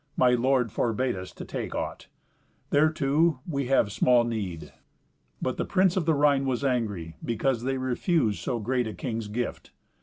My lord forbade us to take aught. Thereto, we have small need." But the prince of the Rhine was angry because they refused so great a king's gift.